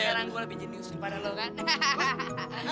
sekarang gue lebih jeniusin pada lo kan